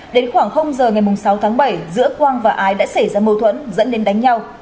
đến khoảng giờ ngày sáu tháng bảy giữa quang và ái đã xảy ra mâu thuẫn dẫn đến đánh nhau